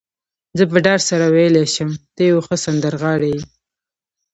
زه په ډاډ سره ویلای شم، ته یو ښه سندرغاړی يې.